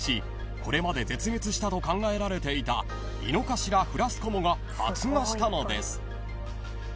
これまで絶滅したと考えられていたイノカシラフラスコモが発芽したのです］